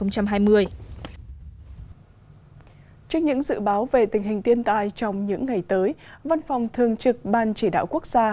trước những dự báo về tình hình tiên tai trong những ngày tới văn phòng thường trực ban chỉ đạo quốc gia